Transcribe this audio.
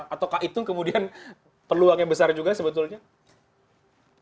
atau kak itung kemudian peluang yang besar juga sebetulnya